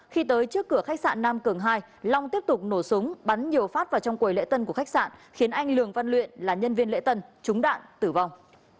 khi tới trước cửa khách sạn nam cường hai long tiếp tục nổ súng bắn nhiều phát vào trong quầy lễ tân của khách sạn khiến anh lường văn luyện là nhân viên lễ tân trúng đạn tử vong